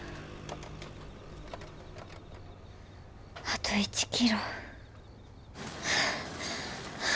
あと１キロ。